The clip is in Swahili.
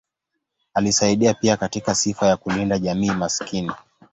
Alisaidia pia katika sifa ya kulinda jamii maskini.